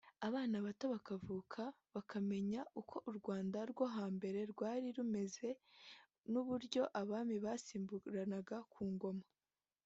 abana bato bavuka bakazamenya uko u Rwanda rwo hambere rwari rumeze n’uburyo abami basimburanaga ku ngoma